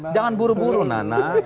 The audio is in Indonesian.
jangan buru buru nana